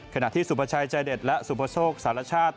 ขณะที่สุภาชายใจเด็ดและสุโภชกสารชาติ